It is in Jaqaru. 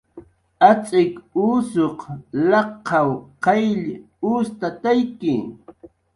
Atz'ik usuq laqaw qayll ustatayki